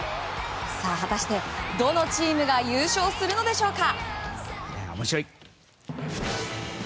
果たして、どのチームが優勝するのでしょうか。